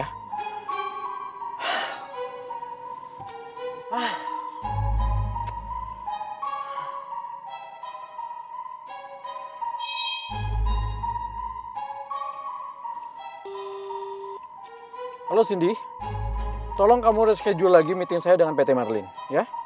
halo cindy tolong kamu reschedule lagi meeting saya dengan pt marlin ya